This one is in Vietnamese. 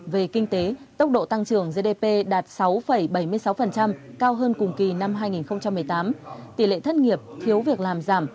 về kinh tế tốc độ tăng trưởng gdp đạt sáu bảy mươi sáu cao hơn cùng kỳ năm hai nghìn một mươi tám tỷ lệ thất nghiệp thiếu việc làm giảm